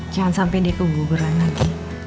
jangan sampai dia ke guguran lagi